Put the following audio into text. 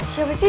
siapa sih dia